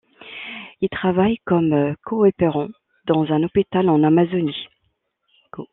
Ils travaillent comme coopérants dans un hôpital en Amazonie.